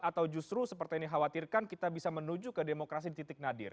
atau justru seperti yang dikhawatirkan kita bisa menuju ke demokrasi di titik nadir